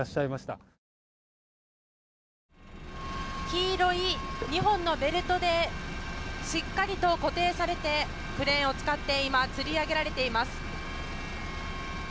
黄色い２本のベルトでしっかりと固定されてクレーンを使って今、つり上げられています。